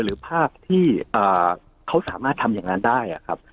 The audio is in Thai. หรือภาพที่เขาสามารถทำอย่างนั้นได้ครับ